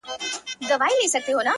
ډبري غورځوې تر شا لاسونه هم نیسې،